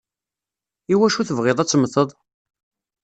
Iwacu tebɣiḍ ad temmteḍ?